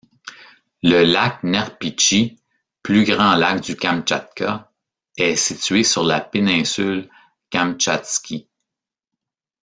Le lac Nerpitchie, plus grand lac du Kamtchatka, est situé sur la péninsule Kamtchatski.